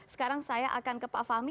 sekarang saya akan ke pak fahmi